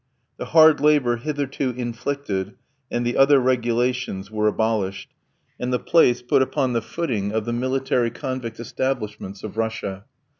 The "hard labour" hitherto inflicted, and the other regulations, were abolished, and the place put upon the footing of the military convict establishments of Russia.